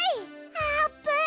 あーぷん！